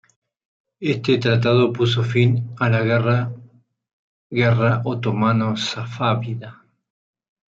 Este tratado puso fin a la guerra guerra otomano-safávida.